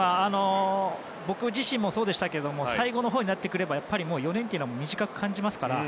僕自身もそうでしたが最後のほうになってくればやっぱり４年って短く感じますから。